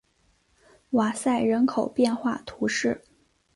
瓦塞人口变化图示